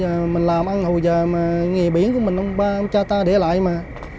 thế giờ mình làm ăn hồi giờ mà nghề biển của mình ông ba ông cha ta để lại mà